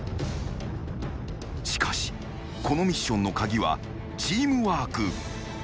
［しかしこのミッションの鍵はチームワーク］